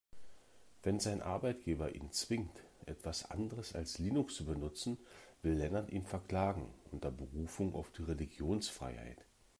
Wenn sein Arbeitgeber ihn zwingt, etwas anderes als Linux zu benutzen, will Lennart ihn verklagen, unter Berufung auf die Religionsfreiheit.